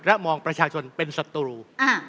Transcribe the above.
และมองประชาชนเป็นศัตรู